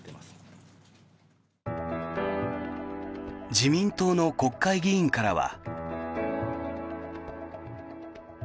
自民党の国会議員からは。